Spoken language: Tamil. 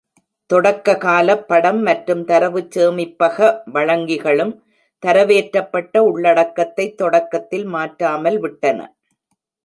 தொடக்ககாலப் படம் மற்றும் தரவுச் சேமிப்பக வழங்கிகளும் தரவேற்றப்பட்ட உள்ளடக்கத்தைத் தொடக்கத்தில் மாற்றாமல் விட்டன.